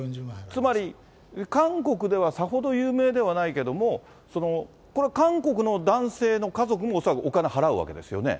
つまり韓国ではさほど有名ではないけども、韓国の男性の家族も恐らくお金払うわけですよね。